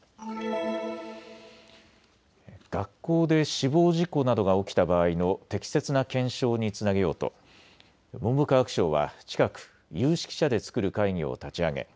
学校で死亡事故などが起きた場合の適切な検証につなげようと文部科学省は近く有識者で作る会議を立ち上げ